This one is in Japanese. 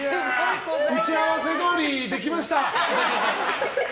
打ち合わせどおりできました。